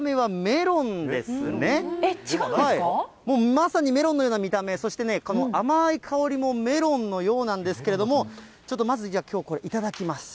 まさにメロンのような見た目、そして、この甘い香りもメロンのようなんですけれども、ちょっとまず、じゃあ、きょうこれ、頂きます。